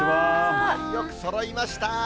よくそろいました。